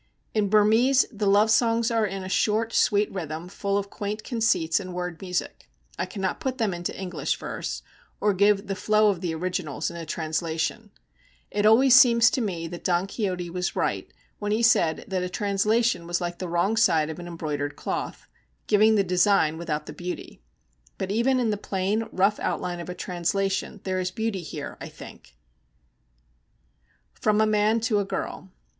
In Burmese the love songs are in a short, sweet rhythm, full of quaint conceits and word music. I cannot put them into English verse, or give the flow of the originals in a translation. It always seems to me that Don Quixote was right when he said that a translation was like the wrong side of an embroidered cloth, giving the design without the beauty. But even in the plain, rough outline of a translation there is beauty here, I think: _From a Man to a Girl.